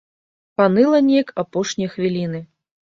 Паныла неяк апошнія хвіліны.